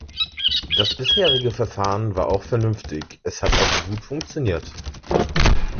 Das bisherige Verfahren war auch vernünftig, es hat auch gut funktioniert.